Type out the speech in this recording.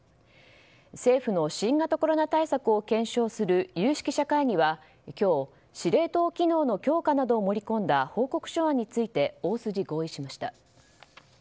政府の新型コロナ対策を検証する有識者会議は今日司令塔機能の強化などを盛り込んだ報告書案について大筋合意しました。